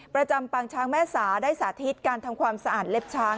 ประจำปางช้างแม่สาได้สาธิตการทำความสะอาดเล็บช้าง